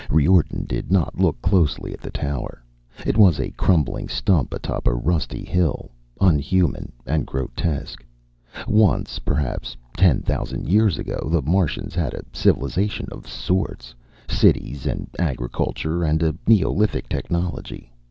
Riordan did not look closely at the tower. It was a crumbling stump atop a rusty hill, unhuman and grotesque. Once, perhaps ten thousand years ago, the Martians had had a civilization of sorts, cities and agriculture and a neolithic technology.